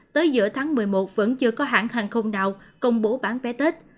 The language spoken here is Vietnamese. tới giữa tháng một mươi một vẫn chưa có hãng hàng không nào công bố bán vé tết